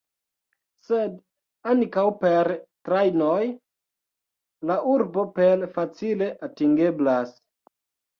Sed ankaŭ per trajnoj la urbo per facile atingeblas.